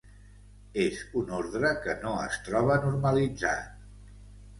És un ordre que no es troba normalitzat.